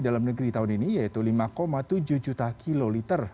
dalam negeri tahun ini yaitu lima tujuh juta kiloliter